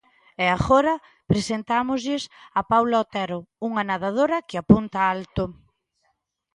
E agora presentámoslles a Paula Otero, unha nadadora que apunta alto.